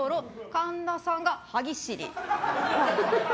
神田さんがはぎしり。